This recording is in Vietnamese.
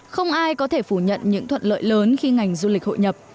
không ai có thể phủ nhận những thuận lợi lớn khi ngành du lịch hội nhập